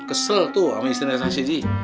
kesel tuh sama istrinya rasidi